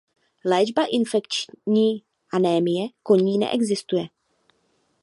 Léčba infekční anémie koní neexistuje.